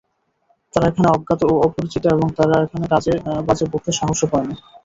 তারা এখানে অজ্ঞাত ও অপরিচিত এবং তারা এখানে বাজে বকতে সাহসও পায় না।